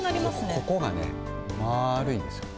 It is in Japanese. ここがね、まあるいんですよ。